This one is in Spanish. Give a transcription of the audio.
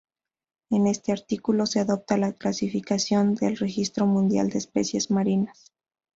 En este artículo, se adopta la clasificación del Registro Mundial de Especies Marinas.